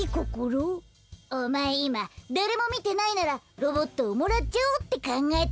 おまえいまだれもみてないならロボットをもらっちゃおうってかんがえただろ？